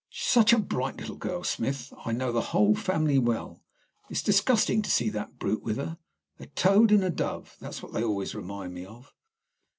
Such a bright little girl, Smith! I know the whole family well. It's disgusting to see that brute with her. A toad and a dove, that's what they always remind me of."